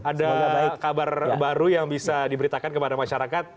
ada kabar baru yang bisa diberitakan kepada masyarakat